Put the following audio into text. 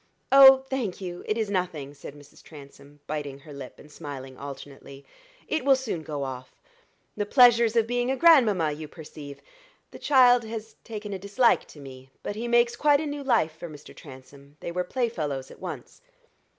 "Oh, thank you, it is nothing," said Mrs. Transome, biting her lip and smiling alternately; "it will soon go off. The pleasures of being a grandmamma, you perceive. The child has taken a dislike to me; but he makes quite a new life for Mr. Transome; they were playfellows at once."